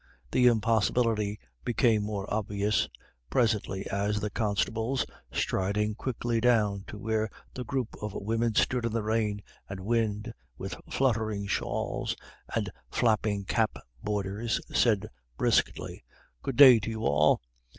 The impossibility became more obvious presently as the constables, striding quickly down to where the group of women stood in the rain and wind with fluttering shawls and flapping cap borders, said briskly, "Good day to you all.